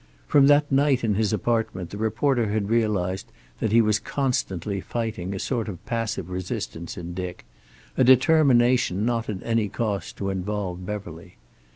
From that night in his apartment the reporter had realized that he was constantly fighting a sort of passive resistance in Dick, a determination not at any cost to involve Beverly.